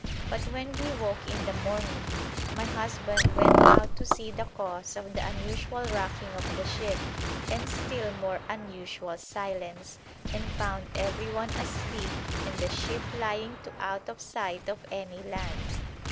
But when we woke in the morning, my husband went out to see the cause of the unusual rocking of the ship and still more unusual silence, and found everyone asleep and the ship lying to out of sight of any land.